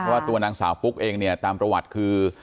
เพราะว่าตัวนางสาวปุ๊กเองเนี่ยตามประวัติคือ